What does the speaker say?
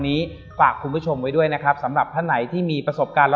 นี้ฝากคุณผู้ชมไว้ด้วยนะครับสำหรับท่านไหนที่มีประสบการณ์